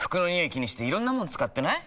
気にしていろんなもの使ってない？